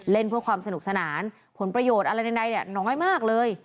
เพื่อความสนุกสนานผลประโยชน์อะไรใดน้อยมากเลย